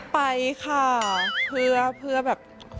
ไปค่ะเพื่อแบบ